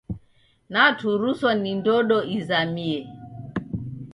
Naturuswa ni ndodo izamie.